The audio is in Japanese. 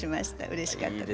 うれしかったです。